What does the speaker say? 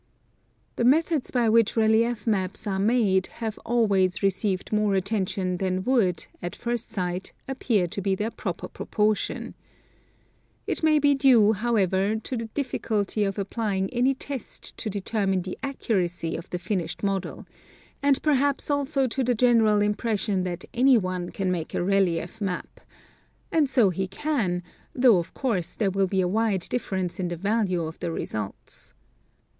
The methods by which relief maps are made have always re ceived more attention than would, at first sight, appear to be their proper proportion. It may be due, however, to the difficulty of applying any test to determine the accuracy of the finished model, and perhaps also to the general impression that any one can make a relief map, —and so he can, though of course there Avill be a wide difference in the value of the results.